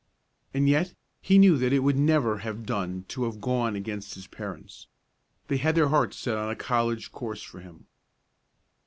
And yet he knew that it would never have done to have gone against his parents. They had their hearts set on a college course for him.